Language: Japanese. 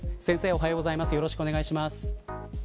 おはようございます。